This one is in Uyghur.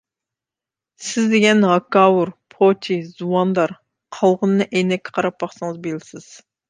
سىز دېگەن ھاكاۋۇر، پوچى، زۇۋاندار، قالغىنىنى ئەينەككە قاراپ باقسىڭىز بىلىسىز.